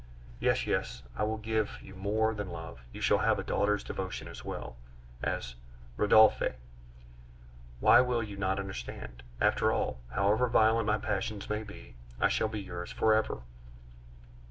Yes, yes, I will give you more than love; you shall have a daughter's devotion as well as ... Rodolphe! why will you not understand! After all, however violent my passions may be, I shall be yours forever!